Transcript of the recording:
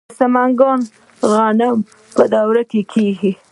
د سمنګان غنم په درو کې کیږي.